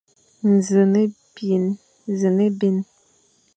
Nẑen ébyen.